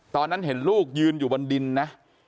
ตอนนั้นเห็นลูกยืนอยู่บนดินนะ